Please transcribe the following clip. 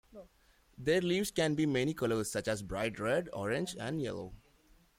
Their leaves can be many colors such as bright red, Orange and yellow.